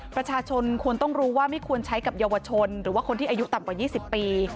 ประชาชนควรต้องรู้ว่าไม่ควรใช้กับเยาวชนหรือว่าคนที่อายุต่ำกว่า๒๐ปี